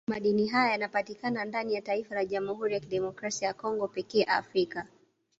Madini haya yanapatika ndani ya taifa la Jamhuri ya Kidemokrasia ya Congo pekee Afrika